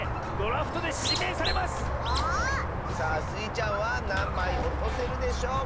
さあスイちゃんはなんまいおとせるでしょうか？